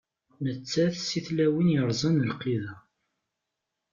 Nettat seg tlawin yerẓan lqid-a.